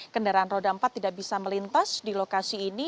kendaraan roda empat tidak bisa melintas di lokasi ini